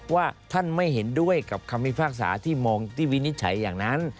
ว่าท่านไม่เห็นด้วยกับคำพิพากษาที่มองที่วินิจฉัยอย่างนั้น